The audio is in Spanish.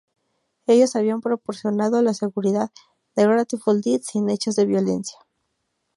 Ellos habían proporcionado la seguridad a Grateful Dead sin hechos de violencia.